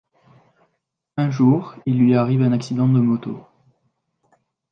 Un jour il lui arrive un accident de moto.